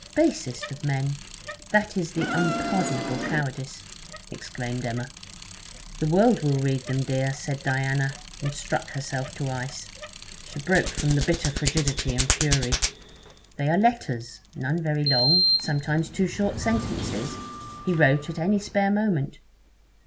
'Basest of men! That is the unpardonable cowardice!', exclaimed Emma. 'The world will read them, dear,' said Diana, and struck herself to ice. She broke from the bitter frigidity in fury. 'They are letters none very long sometimes two short sentences he wrote at any spare moment.